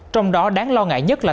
trong đó đáng lo ngại nhất là